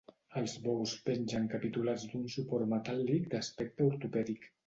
Els bous pengen capiculats d'un suport metàl·lic d'aspecte ortopèdic.